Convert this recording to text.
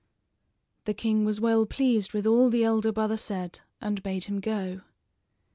The king was well pleased with all the elder brother said, and bade him go.